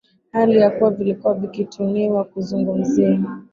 hali ya kuwa vilikuwa vikituniwa kuzungumzia